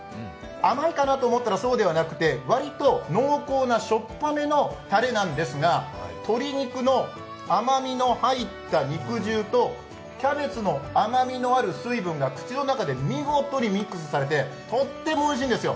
甘いかなと思ったらそうではなくてわりと濃厚なしょっぱめのたれなんですが鶏肉の甘みの入った肉汁とキャベツの甘みのある水分が口の中で見事にミックスされてとってもおいしいんですよ。